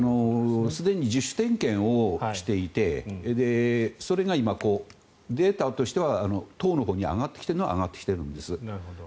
すでに自主点検をしていてそれが今、データとしては党のほうに上がってきているのは上がってきているんです。